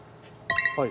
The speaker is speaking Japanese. はい。